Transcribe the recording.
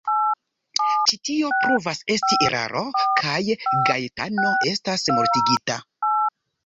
Ĉi tio pruvas esti eraro, kaj Gaetano estas mortigita.